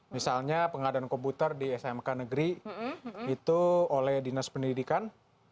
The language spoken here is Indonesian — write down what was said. misalnya pengadaan komputer di smk negeri itu oleh dinas pendidikan